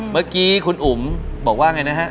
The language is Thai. เมื่อกี้คุณอุ๋มบอกว่าไงนะฮะ